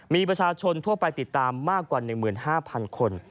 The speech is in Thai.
มีประชาชนทั่วไปติดตามมากกว่า๑๕๐๐๐คน